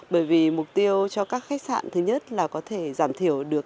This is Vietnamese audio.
bởi vì mục tiêu cho các khách sạn thứ nhất là có thể giảm thiểu được